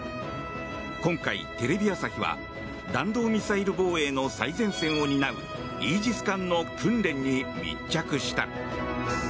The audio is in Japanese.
今回、テレビ朝日は弾道ミサイル防衛の最前線を担うイージス艦の訓練に密着した。